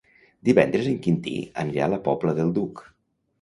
Divendres en Quintí anirà a la Pobla del Duc.